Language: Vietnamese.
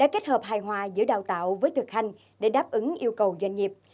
kết hợp hài hòa giữa đào tạo với thực hành để đáp ứng yêu cầu doanh nghiệp